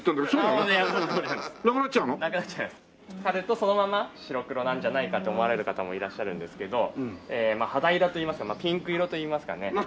刈るとそのまま白黒なんじゃないかと思われる方もいらっしゃるんですけど肌色といいますかピンク色といいますかね。